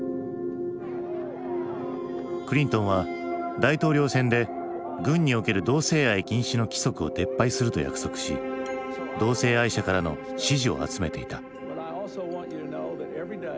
クリントンは大統領選で軍における同性愛禁止の規則を撤廃すると約束し同性愛者からの支持を集めていた。